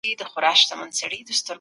جهل د انسان تياره ده